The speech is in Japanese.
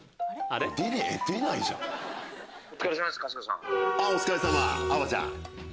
あっお疲れさまあばちゃん。